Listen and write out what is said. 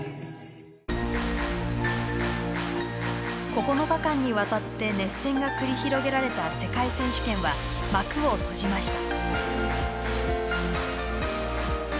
９日間にわたって熱戦が繰り広げられた世界選手権は幕を閉じました。